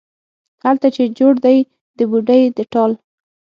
هلته چې جوړ دی د بوډۍ د ټال،